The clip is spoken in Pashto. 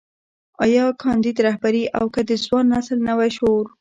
ايا کانديد رهبري او که د ځوان نسل نوی شعور.